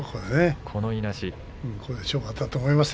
このいなし。